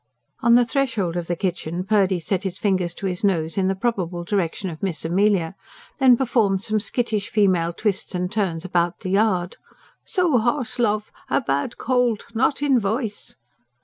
On the threshold of the kitchen Purdy set his fingers to his nose in the probable direction of Miss Amelia; then performed some skittish female twists and turns about the yard. "So hoarse, love ... a bad cold ... not in voice!"